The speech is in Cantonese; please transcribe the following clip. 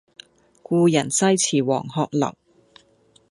故人西辭黃鶴樓